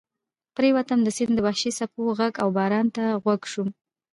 پرېوتم، د سیند د وحشي څپو غږ او باران ته غوږ شوم.